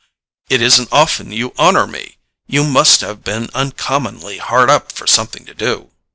It isn't often you honour me. You must have been uncommonly hard up for something to do."